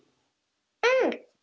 うん！